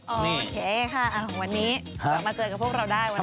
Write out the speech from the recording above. โอเคค่ะวันนี้กลับมาเจอกับพวกเราได้วันนี้